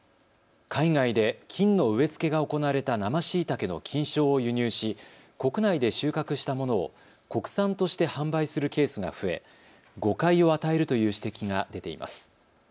海外で菌の植え付けが行われた生しいたけの菌床を輸入し国内で収穫したものを国産として販売するケースが増え、誤解を与えるという指摘が出ています。